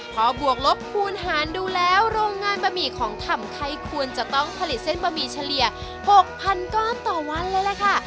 พอบวกลบคูณหารดูแล้วโรงงานบะหมี่ของธรรมไทยควรจะต้องผลิตเส้นบะหมี่เฉลี่ย๖๐๐ก้อนต่อวันเลยล่ะค่ะ